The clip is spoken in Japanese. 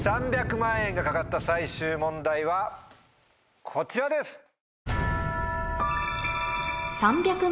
３００万円が懸かった最終問題はこちらです。